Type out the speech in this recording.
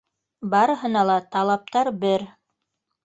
Барыһына ла талаптар бер.